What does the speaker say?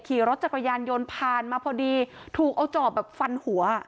ขี่รถจักรยานยนต์ผ่านมาพอดีถูกเอาจอบแบบฟันหัว